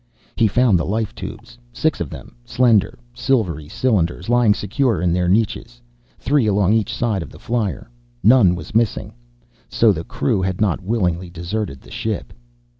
He found the life tubes, six of them, slender, silvery cylinders, lying secure in their niches, three along each side of the flier. None was missing. So the crew had not willingly deserted the ship.